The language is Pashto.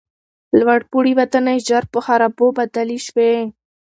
لوړپوړي ودانۍ ژر په خرابو بدلې شوې.